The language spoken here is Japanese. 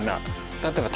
例えば。